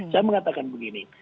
saya mengatakan begini